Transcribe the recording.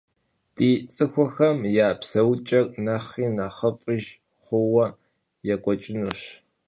Di ts'ıxuxem ya pseuç'er nexhri nexhıf'ıjj xhuue yêk'ueç'ınuş.